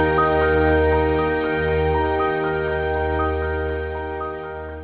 ท่านจะจากเราไปแล้วไม่ว่าจะนานเท่าไหร่ก็เป็นคนดีของสังคม